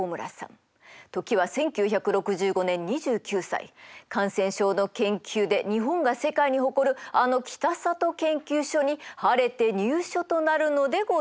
時は１９６５年２９歳感染症の研究で日本が世界に誇るあの北里研究所に晴れて入所となるのでございます。